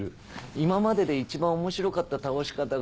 今までで一番面白かった倒し方が。